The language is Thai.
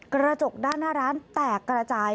กระจกด้านหน้าร้านแตกกระจาย